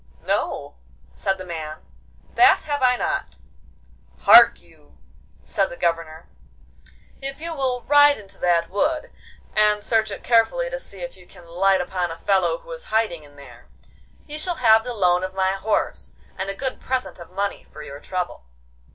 'No,' said the man, 'that have I not.' 'Hark you,' said the Governor. 'If you will ride into that wood, and search it carefully to see if you can light upon a fellow who is hiding in there, you shall have the loan of my horse and a good present of money for your trouble.